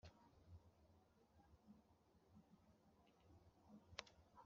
Sangiza bibliya kuri Twitter